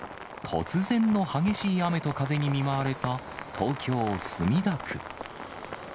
突然の激しい雨と風に見舞われた、東京・墨田区。